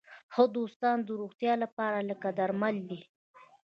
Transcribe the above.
ښه دوستان د روغتیا لپاره لکه درمل دي.